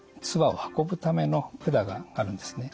唾を運ぶための管があるんですね。